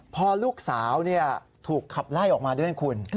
พอลูกสาวถูกขับไล่ออกมาด้วยนะคุณ